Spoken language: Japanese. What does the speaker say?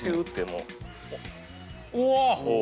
うわ！